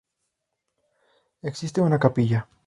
Existe una capilla.